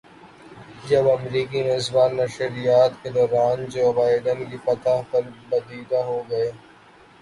جب امریکی میزبان نشریات کے دوران جو بائیڈن کی فتح پر بدیدہ ہوگئے